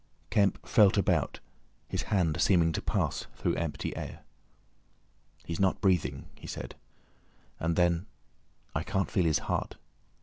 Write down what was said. Kemp felt about, his hand seeming to pass through empty air. "He's not breathing," he said, and then, "I can't feel his heart.